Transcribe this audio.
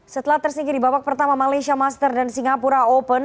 setelah tersingkir di babak pertama malaysia master dan singapura open